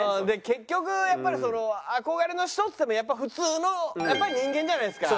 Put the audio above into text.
結局やっぱりその憧れの人っつってもやっぱり普通のやっぱり人間じゃないですか。